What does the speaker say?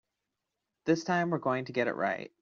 This time we're going to get it right.